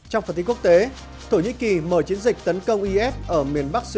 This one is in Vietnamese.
trong phần tin quốc tế thổ nhĩ kỳ mở chiến dịch tấn công is ở miền bắc suda